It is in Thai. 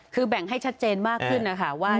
คือแบ่งให้ชัดเจนมากขึ้นนะคะว่า